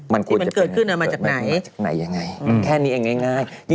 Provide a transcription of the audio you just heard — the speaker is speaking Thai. มันเกิดขึ้นมาจากไหนยังไงแค่นี้ง่าย